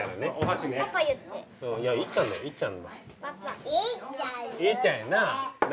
いっちゃんやな？